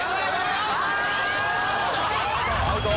え⁉アウト！